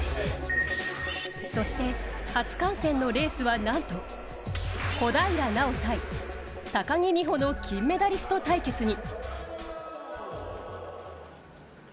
そして、初観戦のレースはなんと小平奈緒×高木美帆の金メダリスト対決に。